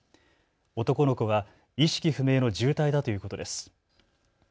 男の子は意識不明の重体だということです。